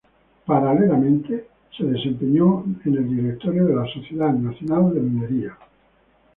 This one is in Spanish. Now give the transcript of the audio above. Paralelamente se desempeñó en el directorio de la Sociedad Nacional de Minería.